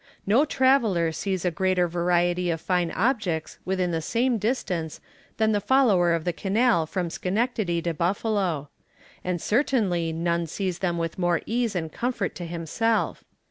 No traveller sees a greater variety of fine objects within the same distance than the follower of the Canal from Schenectady to Buffalo; and certainly none sees them with more ease and comfort to himself.